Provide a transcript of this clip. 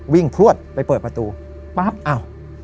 พลวดไปเปิดประตูปั๊บอ้าว